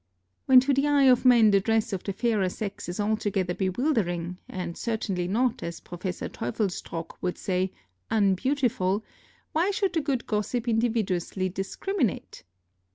When to the eye of men the dress of the fairer sex is altogether bewildering, and certainly not, as Professor Teufelsdrockh would say, unbeautiful, why should the good gossip invidiously discriminate?